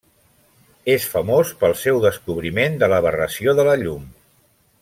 És famós pel seu descobriment de l'aberració de la llum.